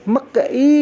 mất cái ý